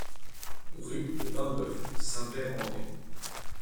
Rue de Paimboeuf, Saint-Père-en-Retz